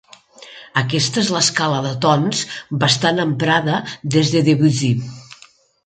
Aquesta és l'escala de tons, bastant emprada des de Debussy.